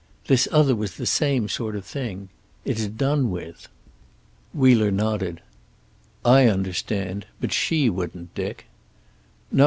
This other was the same sort of thing. It's done with." Wheeler nodded. "I understand. But she wouldn't, Dick." "No.